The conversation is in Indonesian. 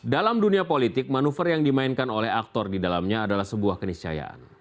dalam dunia politik manuver yang dimainkan oleh aktor di dalamnya adalah sebuah keniscayaan